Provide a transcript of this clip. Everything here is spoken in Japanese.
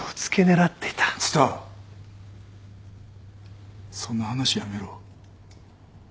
蔦そんな話やめろ。